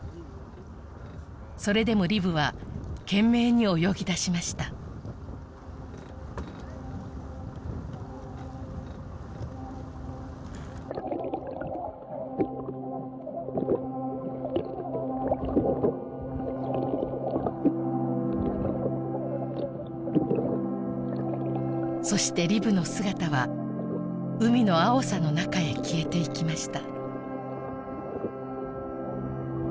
それでもリブは懸命に泳ぎだしましたそしてリブの姿は海の青さの中へ消えていきました